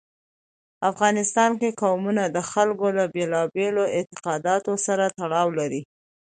افغانستان کې قومونه د خلکو له بېلابېلو اعتقاداتو سره تړاو لري.